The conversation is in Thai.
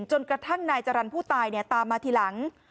จนกระทั่งนายจรรย์ผู้ตายตามมาทีหลัง